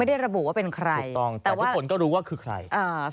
ไม่ได้ระบุว่าเป็นใคร